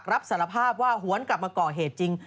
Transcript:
รับสารภาพว่าหวนกลับมาก่อเหตุจริง